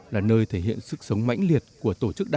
là nơi thể hiện sức sống mãnh liệt của tổ chức đại dịch của việt nam